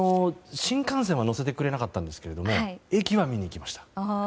新幹線は乗せてくれなかったんですけれど駅は見に行きました。